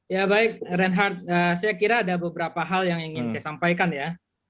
ya baik reinhardt saya kira ada beberapa hal yang ingin saya sampaikan ya